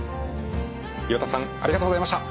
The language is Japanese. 岩田さんありがとうございました。